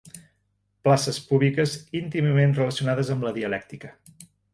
Places púbiques íntimament relacionades amb la dialèctica.